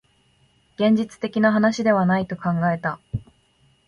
現実的な話ではないと考えた